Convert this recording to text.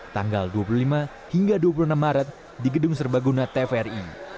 tanggal dua puluh lima hingga dua puluh enam maret di gedung serbaguna tvri